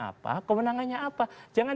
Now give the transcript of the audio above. apa kemenangannya apa jangan